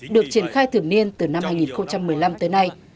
được triển khai thường niên từ năm hai nghìn một mươi năm tới nay